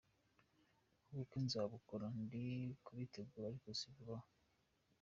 Ubukwe nzabukora ndi kubitegura ariko si vuba aha.